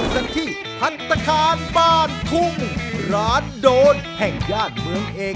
กินล้างบ้าน